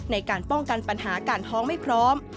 ในการป้องกันปัญหาการท้องไม่พร้อม